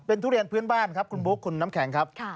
ทุเรียนพื้นบ้านครับคุณบุ๊คคุณน้ำแข็งครับ